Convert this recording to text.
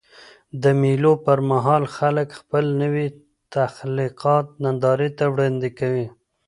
د مېلو پر مهال خلک خپل نوي تخلیقات نندارې ته وړاندي کوي.